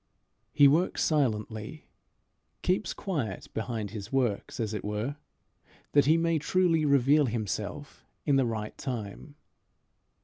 He works silently keeps quiet behind his works, as it were, that he may truly reveal himself in the right time.